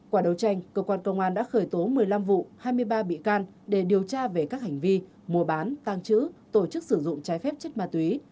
quả đầu tranh cơ quan công an đã khởi tố một mươi năm vụ hai mươi ba bị can để điều tra về các hành vi mùa bán tăng chữ tổ chức sử dụng trái phép chất ma túy